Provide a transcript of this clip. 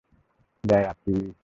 By, আপ্পি।